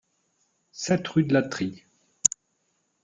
sept rue de L'Atrie